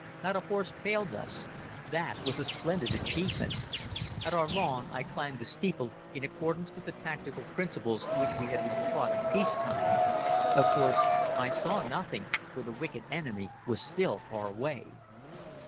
Not a horse failed us. That was a splendid achievement. At Arlon I climbed the steeple in accordance with the tactical principles which we had been taught in peace time. Of course, I saw nothing, for the wicked enemy was still far away.